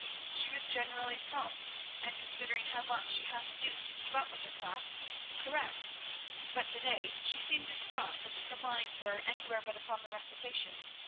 She was generally prompt, and, considering how much she had to do to keep up with her class, correct; but to day she seemed distraught, as if her mind were anywhere but upon her recitation.